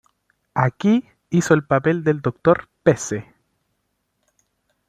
Aquí hizo el papel del Dr. Pesce.